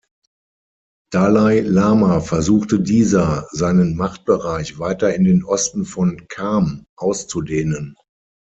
Dalai Lama versuchte dieser, seinen Machtbereich weiter in den Osten von Kham auszudehnen.